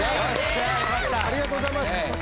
ありがとうございます。